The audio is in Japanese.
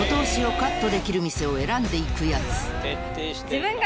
自分が。